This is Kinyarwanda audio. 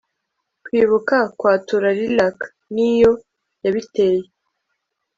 Kwibuka kwatura lilac niyo yabiteye